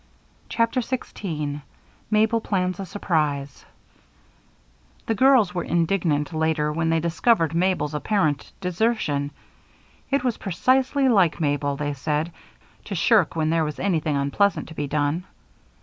CHAPTER 16 Mabel Plans a Surprise The girls were indignant later when they discovered Mabel's apparent desertion. It was precisely like Mabel, they said, to shirk when there was anything unpleasant to be done.